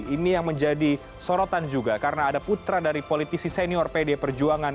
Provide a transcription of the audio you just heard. ini yang menjadi sorotan juga karena ada putra dari politisi senior pd perjuangan